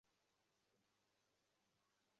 তিনি চাকুরী থেকে বহিষ্কৃত হন।